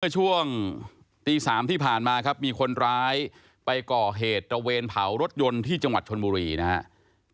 ช่วงตี๓ที่ผ่านมาครับมีคนร้ายไปก่อเหตุตระเวนเผารถยนต์ที่จังหวัดชนบุรีนะครับ